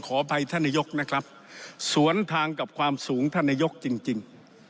ขอไปท่านยกนะครับสวนทางกับความสูงท่านยกจริงจริง